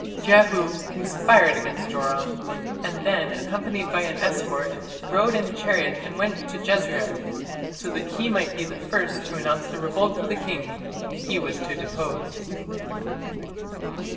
Jehu "conspired against Joram", and then, accompanied by an escort, "rode in a chariot and went to Jezreel", so that he might be the first to announce the revolt to the king whom he was to depose.